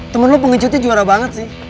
temen lo pengejutnya juara banget sih